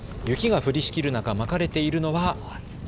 雪が降りしきる中、まかれているのは。